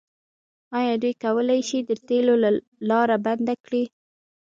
آیا دوی کولی شي د تیلو لاره بنده کړي؟